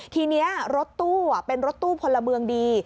ทีนี้รถตู้เป็นรถตู้พลเมืองดี